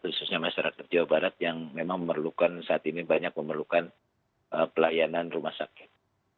khususnya masyarakat jawa barat yang memang memerlukan saat ini banyak memerlukan pelayanan rumah sakit